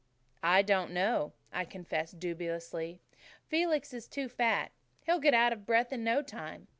"I don't know," I confessed dubiously. "Felix is too fat. He'll get out of breath in no time.